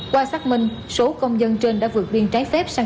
qua xác minh số công dân trên